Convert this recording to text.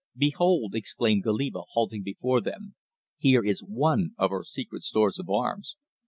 "Behold!" exclaimed Goliba, halting before them. "Here is one of our secret stores of arms."